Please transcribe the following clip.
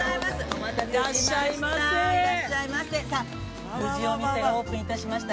◆お待たせしました。